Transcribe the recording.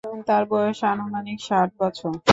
তাঁর বয়স আনুমানিক ষাট বছর।